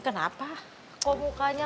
makanya papi butuh keluar cari udara segar